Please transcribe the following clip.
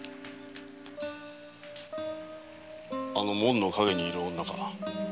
あの門の陰にいる女かな？